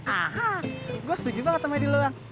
aha gua setuju banget sama edi luang